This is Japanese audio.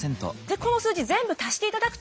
この数字全部足していただくと。